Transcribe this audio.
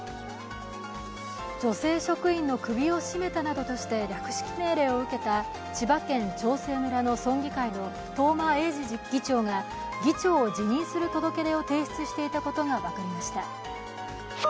女性職員の首を絞めたなどとして略式命令を受けた千葉県長生村の村議会の東間永次議長が議長を辞任する届け出を提出していたことが分かりました。